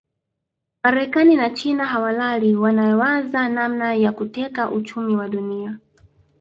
Marekani na China hawalali wanawaza namna ya kuteka uchumi wa Dunia